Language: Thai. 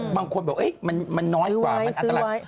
บางคนบอกมันน้อยกว่ามันอันตราย